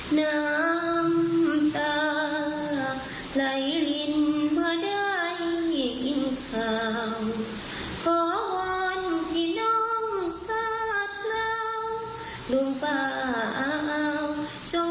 เหนือกันทุกเข่าคันเพื่อนพร้อมทุกคน